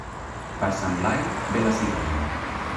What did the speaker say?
Per Sant Blai ve la cigonya.